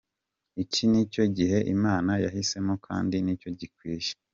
Iki nicyo gihe Imana yahisemo kandi nicyo gikwiye.